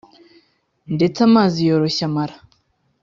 ndetse amazi yoroshya amara